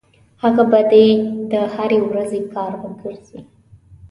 هغه به دې د هرې ورځې کار وګرځي.